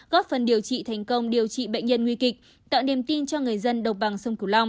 góp phần điều trị thành công điều trị bệnh nhân nguy kịch tạo niềm tin cho người dân độc bằng sông cửu long